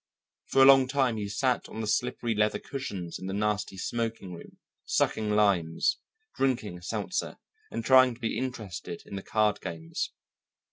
For a long time he sat on the slippery leather cushions in the nasty smoking room, sucking limes, drinking seltzer, and trying to be interested in the card games.